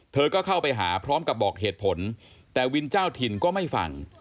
เธอก็เข้าไปหาพร้อมกับบอกเหตุผลแต่วินเจ้าถิ่นก็ไม่ฟัง